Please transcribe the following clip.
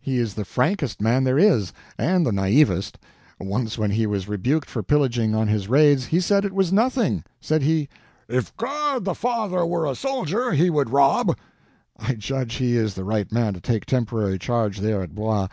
He is the frankest man there is, and the naivest. Once when he was rebuked for pillaging on his raids, he said it was nothing. Said he, 'If God the Father were a soldier, He would rob.' I judge he is the right man to take temporary charge there at Blois.